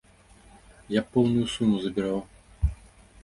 Я б поўную суму забіраў.